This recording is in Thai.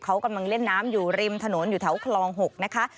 เขากำลังเล่นน้ำอยู่ริมถนนอยู่แถวคลอง๖นะคะ